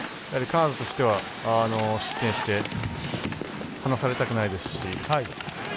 やはりカナダとしては失点して離されたくないですし。